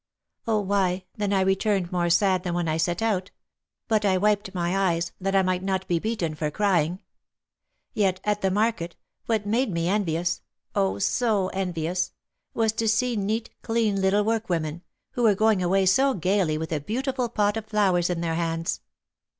"Oh, why, then I returned more sad than when I set out; but I wiped my eyes, that I might not be beaten for crying. Yet, at the market, what made me envious oh, so envious! was to see neat, clean little workwomen, who were going away so gaily with a beautiful pot of flowers in their hands."